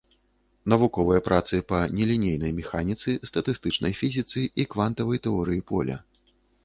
Навуковыя працы па нелінейнай механіцы, статыстычнай фізіцы і квантавай тэорыі поля.